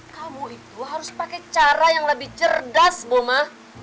kamu itu harus pakai cara yang lebih cerdas boma